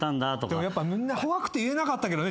でもやっぱみんな怖くて言えなかったね